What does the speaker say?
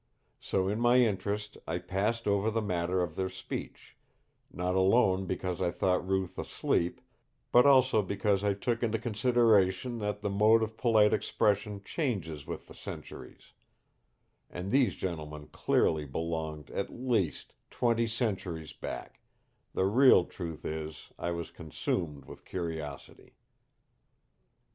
So in my interest I passed over the matter of their speech; not alone because I thought Ruth asleep but also because I took into consideration that the mode of polite expression changes with the centuries and these gentlemen clearly belonged at least twenty centuries back the real truth is I was consumed with curiosity.